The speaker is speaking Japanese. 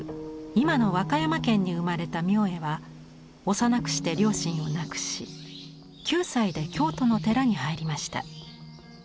今の和歌山県に生まれた明恵は幼くして両親を亡くし９歳で京都の寺に入りました。